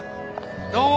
どうも。